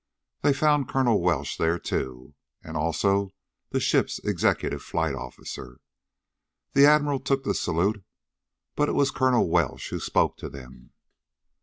They found Colonel Welsh there, too. And also the ship's executive flight officer. The Admiral took the salute, but it was Colonel Welsh who spoke to them.